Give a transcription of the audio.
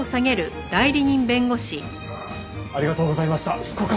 ありがとうございました執行官！